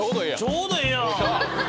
ちょうどええやん！